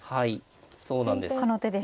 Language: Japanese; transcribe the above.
この手ですか。